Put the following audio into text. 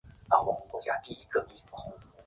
特姆尼茨塔尔是德国勃兰登堡州的一个市镇。